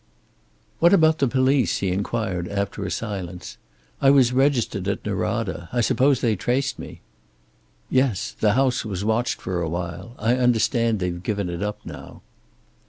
"What about the police?" he inquired after a silence. "I was registered at Norada. I suppose they traced me?" "Yes. The house was watched for a while; I understand they've given it up now."